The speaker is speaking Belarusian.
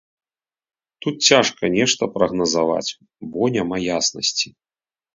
Тут цяжка нешта прагназаваць, бо няма яснасці.